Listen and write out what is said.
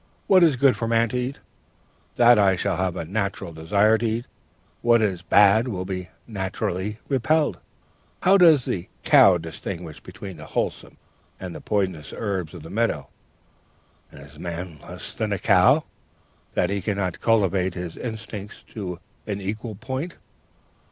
What is good for man to eat, that I shall have a natural desire to eat: what is bad will be naturally repelled. How does the cow distinguish between the wholesome and the poisonous herbs of the meadow? And is man less than a cow, that he can not cultivate his instincts to an equal point?